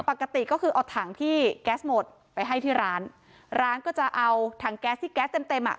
ปกติก็คือเอาถังที่แก๊สหมดไปให้ที่ร้านร้านก็จะเอาถังแก๊สที่แก๊สเต็มเต็มอ่ะ